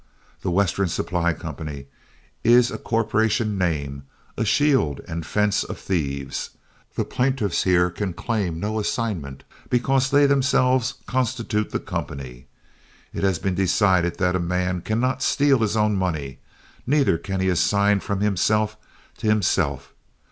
The Western Supply Company is a corporation name, a shield and fence of thieves. The plaintiffs here can claim no assignment, because they themselves constitute the company. It has been decided that a man cannot steal his own money, neither can he assign from himself to himself.